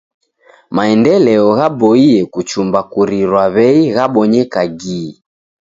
Maendeleo ghaboie kuchumba kurirwa w'ei ghabonyeka gi.